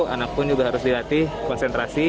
anak pun juga harus dilatih konsentrasi